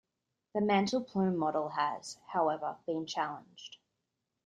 The mantle plume model has, however, been challenged.